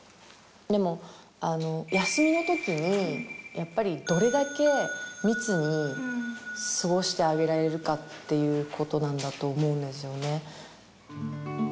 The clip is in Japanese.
でも休みのときにやっぱりどれだけ密に過ごしてあげられるかっていうことなんだと思うんですよね。